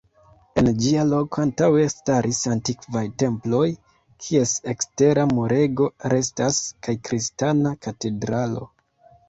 En ĝia loko antaŭe staris antikvaj temploj, kies ekstera murego restas, kaj kristana katedralo.